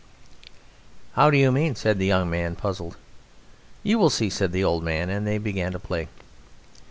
"How do you mean?" said the young man, puzzled. "You will see," said the old man, and they began to play.